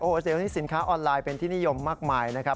เดี๋ยวนี้สินค้าออนไลน์เป็นที่นิยมมากมายนะครับ